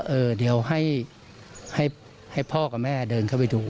เออเดี๋ยวให้พ่อกับแม่เดินเข้าไปดู